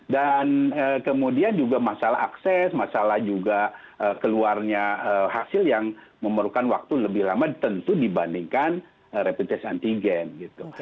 dan kemudian juga masalah akses masalah juga keluarnya hasil yang memerlukan waktu lebih lama tentu dibandingkan reputasi antigen gitu